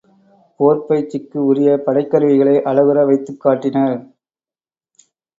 போர்ப் பயிற்சிக்கு உரிய படைக் கருவிகளை அழகுற வைத்துக் காட்டினர்.